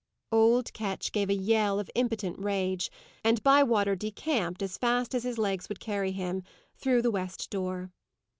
Old Ketch gave a yell of impotent rage, and Bywater decamped, as fast as his legs would carry him, through the west door.